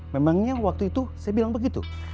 memangnya waktu itu saya bilang begitu